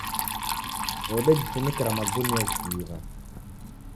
Wodejifinikira magunia ukiiw'a.